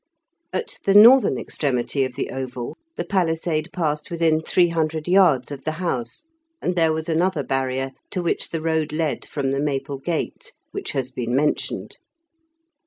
At the northern extremity of the oval the palisade passed within three hundred yards of the house, and there was another barrier, to which the road led from the Maple Gate, which has been mentioned.